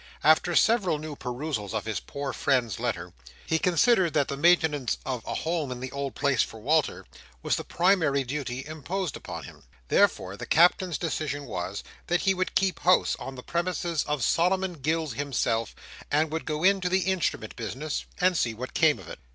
After several new perusals of his poor friend's letter, he considered that the maintenance of "a home in the old place for Walter" was the primary duty imposed upon him. Therefore, the Captain's decision was, that he would keep house on the premises of Solomon Gills himself, and would go into the instrument business, and see what came of it.